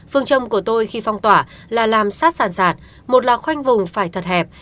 phương trông của tôi khi phong tỏa là làm sát sàn sạt một là khoanh vùng phải thật hẹp